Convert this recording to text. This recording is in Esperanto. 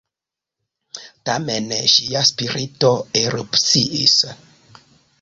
Tamen ŝia spirito erupciis.